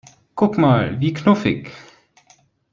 Guck mal, wie knuffig!